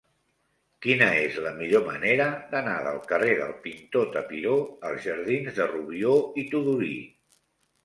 Quina és la millor manera d'anar del carrer del Pintor Tapiró als jardins de Rubió i Tudurí?